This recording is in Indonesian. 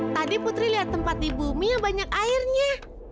tadi putri lihat tempat di bumi ya banyak airnya